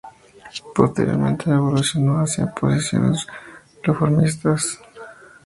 Posteriormente evolucionó hacia posiciones reformistas, llegando a entrar en el Parlamento.